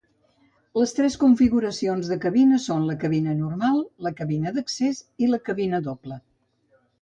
Les tres configuracions de cabina són la cabina normal, la cabina d'accés i la cabina doble.